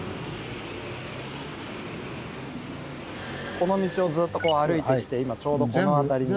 この道をずっと歩いてきて今ちょうどこの辺りに。